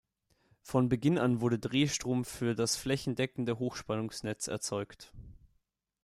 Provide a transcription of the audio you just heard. Von Beginn an wurde Drehstrom für das flächendeckende Hochspannungsnetz erzeugt.